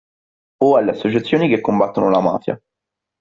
O alle associazioni che combattono la mafia.